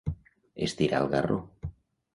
Estirar el garró.